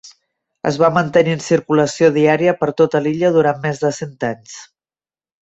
Es va mantenir en circulació diària per tota l'illa durant més de cent anys.